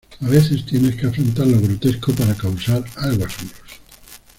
A veces tienes que afrontar lo grotesco para causar algo asombroso.